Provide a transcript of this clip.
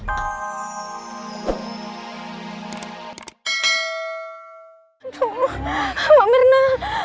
aduh mbak myrna